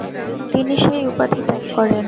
তিনি সেই উপাধি ত্যাগ করেন।